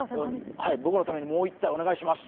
僕のために、もう１体お願いします。